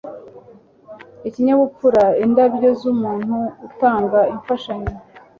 Ikinyabupfura indabyo z'umuntu utanga imfashanyo